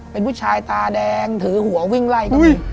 เป็นผู้ชายตาแดงถือหัววิ่งไล่ก็มี